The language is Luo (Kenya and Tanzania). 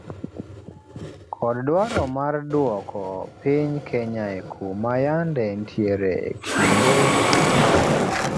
Kod dwaro mar dwoko piny kenya ekuma yande entiere ekinde ma okalo